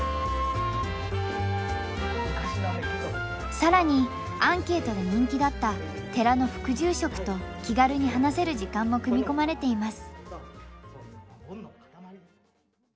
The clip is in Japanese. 更にアンケートで人気だった寺の副住職と気軽に話せる時間も組み込まれています。